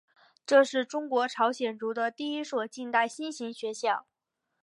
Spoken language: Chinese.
这是中国朝鲜族的第一所近代新型学校。